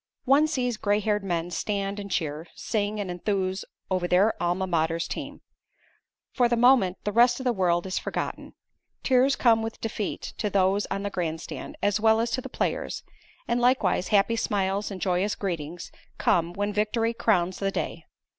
One sees gray haired men stand and cheer, sing and enthuse over their Alma Mater's team. For the moment the rest of the world is forgotten. Tears come with defeat to those on the grandstand, as well as to the players, and likewise happy smiles and joyous greetings come when victory crowns the day.